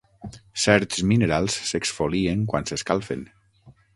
Certs minerals s'exfolien quan s'escalfen.